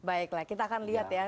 baiklah kita akan lihat ya